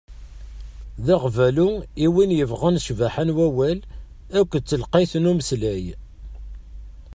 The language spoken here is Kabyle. D aɣbalu i win yebɣan ccbaḥa n wawal akked telqayt n umeslay.